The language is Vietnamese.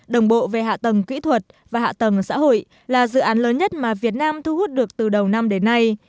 đồng bộ về hạ tầng kỹ thuật và hạ tầng xã hội là dự án lớn nhất mà việt nam thu hút được từ đầu năm đến nay